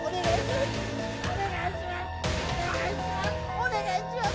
お願いします